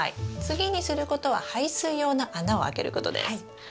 次にすることは排水用の穴を開けることです。